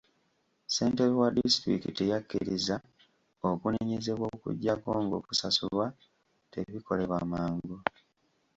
Ssentebe wa disitulikiti yakkiriza okunenyezebwa okuggyako ng'okusasulwa tebikolebwa mangu.